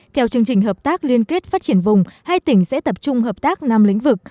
theo chương trình hợp tác liên kết phát triển vùng hai tỉnh sẽ tập trung hợp tác năm lĩnh vực